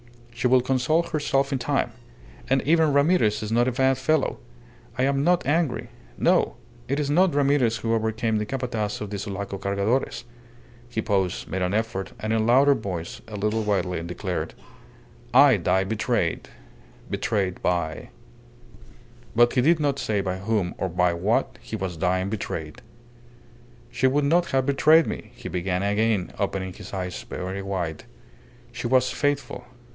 She will console herself in time. And even Ramirez is not a bad fellow. I am not angry. No! It is not Ramirez who overcame the Capataz of the Sulaco Cargadores." He paused, made an effort, and in louder voice, a little wildly, declared "I die betrayed betrayed by " But he did not say by whom or by what he was dying betrayed. "She would not have betrayed me," he began again, opening his eyes very wide. "She was faithful.